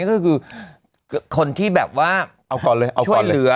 ะนี่คือคนที่แบบว่าเขาบอกเลยคือช่วยเหลือ